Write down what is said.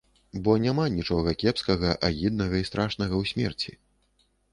Бо няма нічога кепскага, агіднага і страшнага ў смерці.